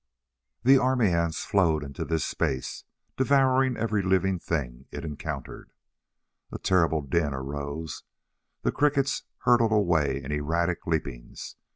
The ant army flowed into this space, devouring every living thing it encountered. A terrible din arose. The crickets hurtled away in erratic leapings.